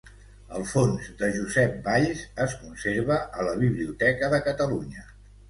El fons de Josep Valls es conserva a la Biblioteca de Catalunya.